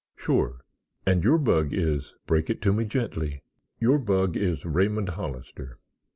"Sure; and your bug is——" "Break it to me gently." "Your bug is Raymond Hollister."